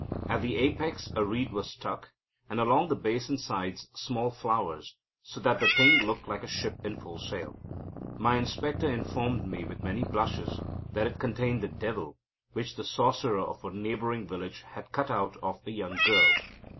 At the apex a reed was stuck, and along the base and sides small flowers, so that the thing looked like a ship in full sail. My inspector informed me, with many blushes, that it contained a devil, which the sorcerer of a neighbouring village had cut out of a young girl.